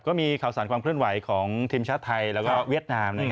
ก็มีข่าวสารความเคลื่อนไหวของทีมชาติไทยแล้วก็เวียดนาม